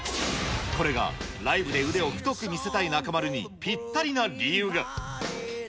これがライブで腕を太く見せたい中丸にぴったりな理由が。